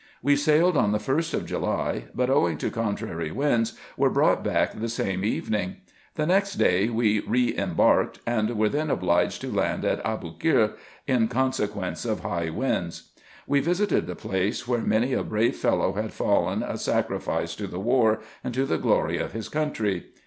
We sailed on the 1st of July, but, owing to contrary winds, were brought back the same evening. The next day we re embarked, and were then obliged to land at Aboukir, in consequence of high winds. We visited the place, where many a brave fellow had fallen a sacrifice to the war, and to the glory of his country.